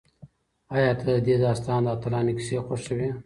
ایا ته د دې داستان د اتلانو کیسې خوښوې؟